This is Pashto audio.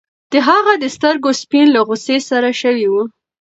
د هغه د سترګو سپین له غوسې سره شوي وو.